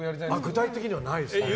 具体的にはないですね。